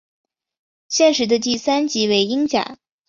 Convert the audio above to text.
现时的第三级为英甲。